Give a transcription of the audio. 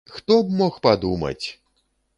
Хто б мог падумаць?!